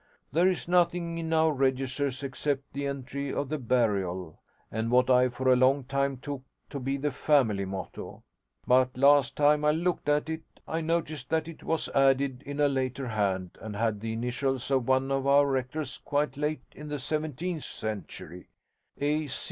There is nothing in our registers except the entry of the burial, and what I for a long time took to be the family motto: but last time I looked at it I noticed that it was added in a later hand and had the initials of one of our rectors quite late in the seventeenth century, A.